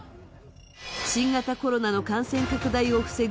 新型コロナの感染拡大を防ぐ